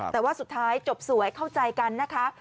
แต่ว่าสุดท้ายจบสวยเข้าใจกันนะคะ